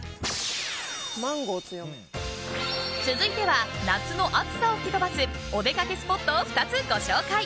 続いては、夏の暑さを吹き飛ばすお出かけスポットを２つご紹介。